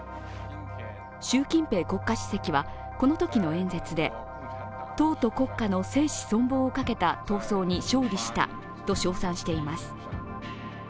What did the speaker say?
習近平国家主席はこのときの演説で、党と国家の生死存亡をかけた闘争に勝利したと称賛しています。